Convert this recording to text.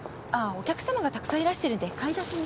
お客さまがたくさんいらしてるんで買い出しに。